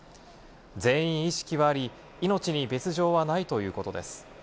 全員意識はあり、命に別条はないということです。